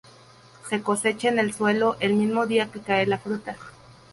Se cosecha en el suelo el mismo día que cae la fruta.